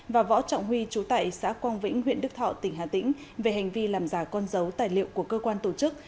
và võ trọng huy chú tại xã quang vĩnh huyện đức thọ tỉnh hà tĩnh về hành vi làm giả con dấu tài liệu của cơ quan tổ chức